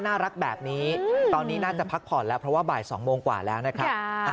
น่ารักแบบนี้ตอนนี้น่าจะพักผ่อนแล้วเพราะว่าบ่าย๒โมงกว่าแล้วนะครับ